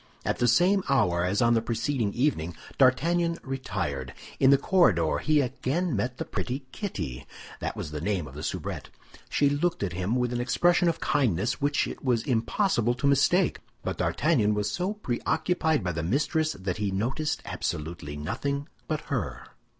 At the same hour as on the preceding evening, D'Artagnan retired. In the corridor he again met the pretty Kitty; that was the name of the soubrette. She looked at him with an expression of kindness which it was impossible to mistake; but D'Artagnan was so preoccupied by the mistress that he noticed absolutely nothing but her.